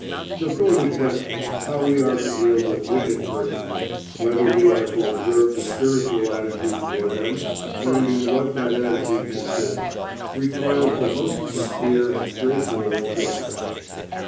The thorny question, how we are to deal with wicked persons, whether we are to observe the spiritual attitude toward them, and in what that attitude consists, requires the most sincere and straightforward treatment.